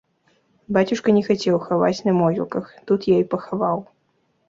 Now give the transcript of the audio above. Бацюшка не хацеў хаваць на могілках, тут я і пахаваў.